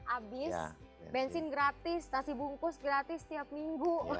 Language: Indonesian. abis bensin gratis tasi bungkus gratis setiap minggu